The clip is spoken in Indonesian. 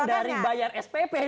makanya dari bayar spp nih